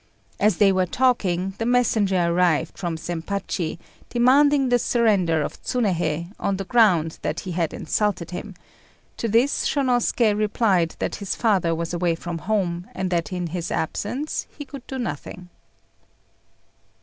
As they were talking, the messenger arrived from Zempachi, demanding the surrender of Tsunéhei, on the ground that he had insulted him: to this Shônosuké replied that his father was away from home, and that in his absence he could do nothing.